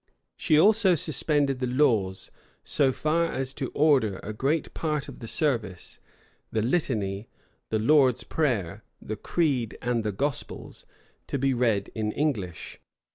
She also suspended the laws so far as to order a great part of the service; the litany, the Lord's prayer, the creed, and the gospels; to be read in English.